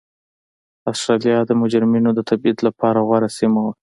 اسټرالیا د مجرمینو د تبعید لپاره غوره سیمه وه.